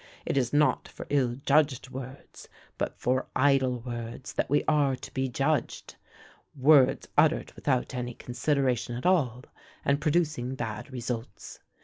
It is not for ill judged words, but for idle words, that we are to be judged words uttered without any consideration at all, and producing bad results.